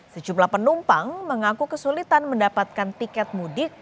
sejumlah penumpang mengaku kesulitan mendapatkan tiket mudik